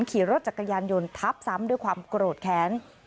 ขี่รถจักรยานยนต์ทับซ้ำด้วยความโกรธแค้น